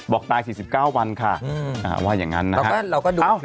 บอกตายสี่สิบเก้าวันค่ะอืมอ่าว่าอย่างงั้นนะฮะเราก็เราก็ดูเอ้า